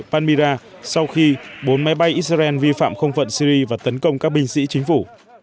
panmira sau khi bốn máy bay israel vi phạm không phận syri và tấn công các binh sĩ chính phủ